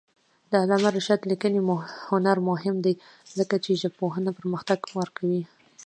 د علامه رشاد لیکنی هنر مهم دی ځکه چې ژبپوهنه پرمختګ ورکوي.